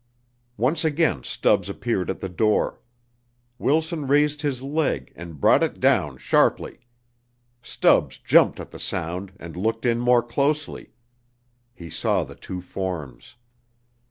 Once again Stubbs appeared at the door. Wilson raised his leg and brought it down sharply. Stubbs jumped at the sound and looked in more closely. He saw the two forms.